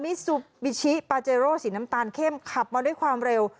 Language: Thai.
มิซูบิชิปาเจโร่สีน้ำตาลเข้มขับมาด้วยความเร็ว